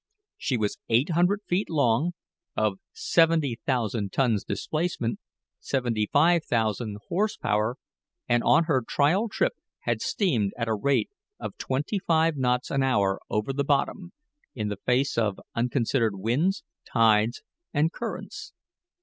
She was eight hundred feet long, of seventy thousand tons' displacement, seventy five thousand horse power, and on her trial trip had steamed at a rate of twenty five knots an hour over the bottom, in the face of unconsidered winds, tides, and currents.